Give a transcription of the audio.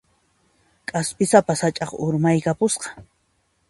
K'aspisapa sach'aqa urmaykapusqa.